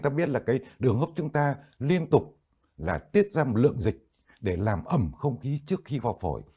ta biết là cái đường hấp chúng ta liên tục là tiết ra một lượng dịch để làm ẩm không khí trước khi vào phổi